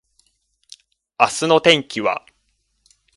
明日の天気は？